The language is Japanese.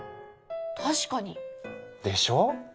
確かに。でしょう？